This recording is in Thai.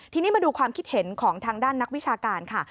ทีนี้มาดูความคิดเห็นของทางด้านนักวิชาการค่ะ